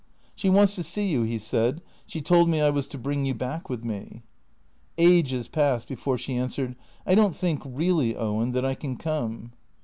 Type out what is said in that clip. " She wants to see you," he said. " She told me I was to bring you back with me." Ages passed before she answered. " I don't think, really, Owen, that I can come."